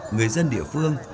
người dân địa phương